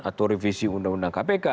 atau revisi undang undang kpk